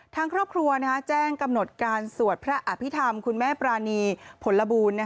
ทางครอบครัวแจ้งกำหนดการสวดพระอภิษฐรรมคุณแม่ปรานีผลบูล